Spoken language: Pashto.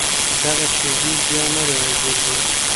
دغه شېبې بیا نه راګرځي.